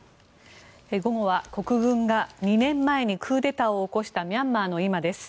午後は国軍が２年前にクーデターを起こしたミャンマーの今です。